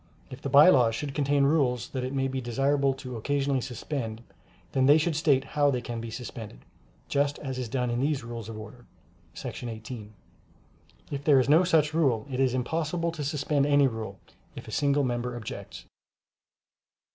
If the By Laws should contain rules that it may be desirable to occasionally suspend, then they should state how they can be suspended, just as is done in these Rules of Order, § 18. If there is no such rule it is impossible to suspend any rule, if a single member objects.